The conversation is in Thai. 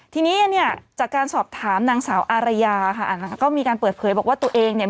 ทีนี้เนี่ยจากการสอบถามนางสาวอารยาค่ะนะคะก็มีการเปิดเผยบอกว่าตัวเองเนี่ย